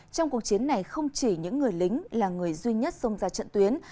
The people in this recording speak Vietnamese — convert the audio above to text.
trong cuộc chiến này không chỉ những người lính là người duy nhất xông ra trận tuyến